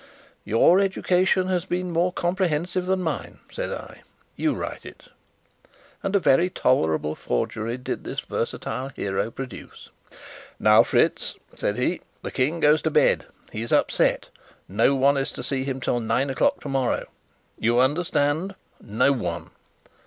"Your education has been more comprehensive than mine," said I. "You write it." And a very tolerable forgery did this versatile hero produce. "Now, Fritz," said he, "the King goes to bed. He is upset. No one is to see him till nine o'clock tomorrow. You understand no one?"